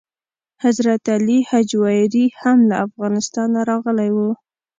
حضرت علي هجویري هم له افغانستانه راغلی و.